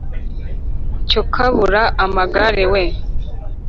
cyo kabura amagara we